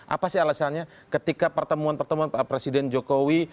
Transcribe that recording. apa sih alasannya ketika pertemuan pertemuan presiden jokowi